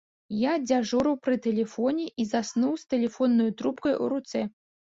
Я дзяжурыў пры тэлефоне і заснуў з тэлефоннаю трубкаю ў руцэ.